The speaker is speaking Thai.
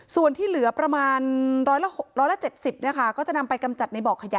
ส่วนที่เหลือประมาณ๑๗๐ก็จะนำไปกำจัดในบ่อขยะ